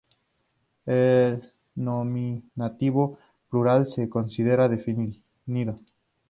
El nominativo plural se considera definido.